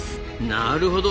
なるほど。